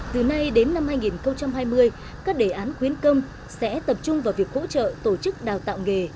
từ nay đến năm hai nghìn hai mươi các đề án khuyến công sẽ tập trung vào việc hỗ trợ tổ chức đào tạo nghề